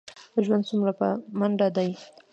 ژوند څومره په منډه دی.